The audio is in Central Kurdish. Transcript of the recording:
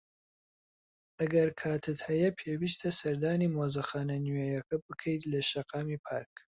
ئەگەر کاتت هەیە، پێویستە سەردانی مۆزەخانە نوێیەکە بکەیت لە شەقامی پارک.